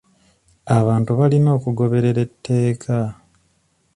Abantu balina okugoberera etteeka.